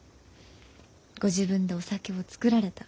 ご自分でお酒を造られた。